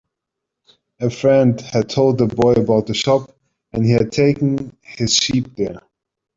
A friend had told the boy about the shop, and he had taken his sheep there.